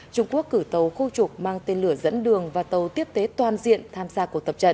trung quốc cử tàu khu trục mang tên lửa dẫn đường và tàu tiếp tế toàn diện tham gia cuộc tập trận